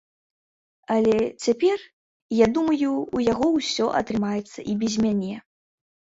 Але цяпер, я думаю, у яго ўсё атрымаецца і без мяне.